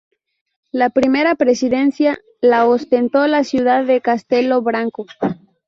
La primera presidencia la ostentó la ciudad de Castelo Branco.